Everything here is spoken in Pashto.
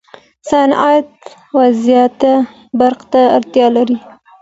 صنعت و زیات برق ته اړتیا لري.